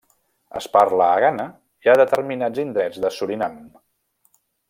Es parla a Ghana i a determinats indrets de Surinam.